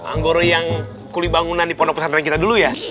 anggoro yang kuli bangunan di pondok pesantren kita dulu ya